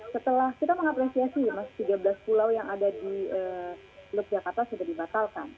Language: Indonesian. setelah kita mengapresiasi tiga belas pulau yang ada di teluk jakarta sudah dibatalkan